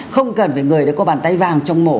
không cần phải người để có bàn tay vàng trong mổ